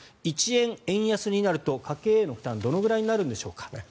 １円円安になると家計への負担はどのくらいになるでしょうか。